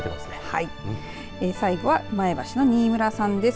はい、最後は前橋の新村さんです。